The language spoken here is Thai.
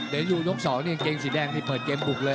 เดี๋ยวอยู่ยก๒นี่กางเกงสีแดงนี่เปิดเกมบุกเลย